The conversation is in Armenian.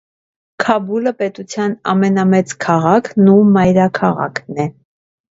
Քաբուլը պետության ամենամեծ քաղաքն ու մայրաքաղաքն է։